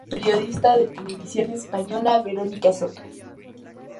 Fue padre de la periodista de Televisión Española Verónica Soto.